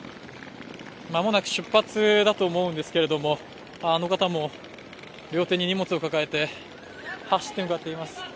間もなく出発だと思うんですけれども、あの方も両手に荷物を抱えて走って向かっています。